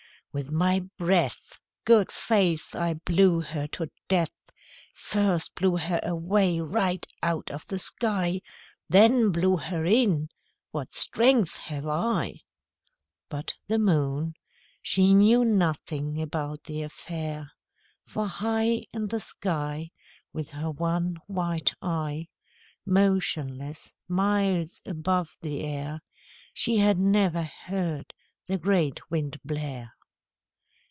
With my breath, Good faith! I blew her to death First blew her away right out of the sky Then blew her in; what strength have I!" But the Moon, she knew nothing about the affair, For high In the sky, With her one white eye, Motionless, miles above the air, She had never heard the great Wind blare.